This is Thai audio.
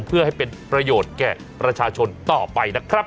เพื่อให้เป็นประโยชน์แก่ประชาชนต่อไปนะครับ